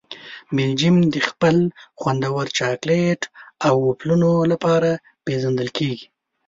بلجیم د خپل خوندور چاکلېټ او وفلونو لپاره پېژندل کیږي.